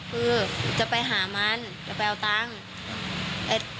คือจะไปหามันจะไปเอาตังค์